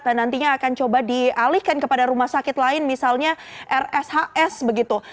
dan nantinya akan coba dialihkan kepada rumah sakit lain misalnya rshs begitu